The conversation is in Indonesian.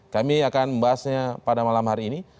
kami akan membahasnya pada malam hari ini